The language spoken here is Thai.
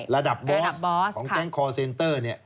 ระดับบอสของแก๊งคอร์เซนเตอร์